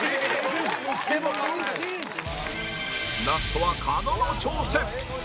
ラストは狩野の挑戦